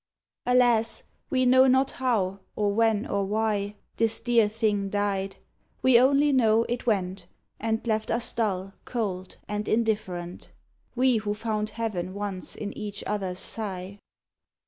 Alas, we know not how, or when or why This dear thing died. We only know it went, And left us dull, cold, and indifferent; We who found heaven once in each other's sigh.